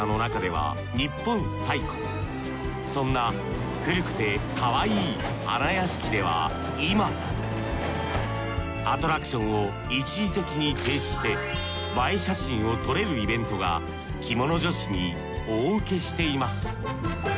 そんな古くてかわいい花やしきでは今アトラクションを一次的に停止して映え写真を撮れるイベントが着物女子に大ウケしています。